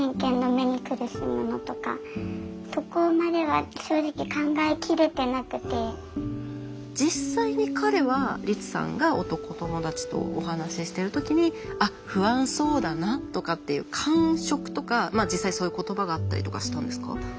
言ってしまえば実際に彼はリツさんが男友達とお話ししてる時にあっ不安そうだなとかっていう感触とか実際そういう言葉があったりとかしたんですか？